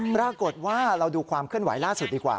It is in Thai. ปรากฏว่าเราดูความเคลื่อนไหวล่าสุดดีกว่า